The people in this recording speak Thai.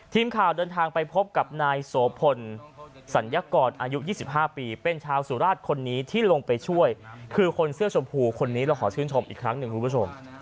ทีมข่าวเดินทางไปพบกับนายโสพลสัญกรอายุ๒๕ปีเป็นชาวสุราชคนนี้ที่ลงไปช่วยคือคนเสื้อชมพูคนนี้เราขอชื่นชมอีกครั้งหนึ่งคุณผู้ชม